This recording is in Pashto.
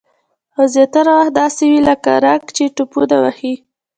او زیاتره وخت داسې وي لکه رګ چې ټوپونه وهي